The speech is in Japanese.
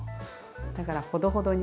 だからほどほどに。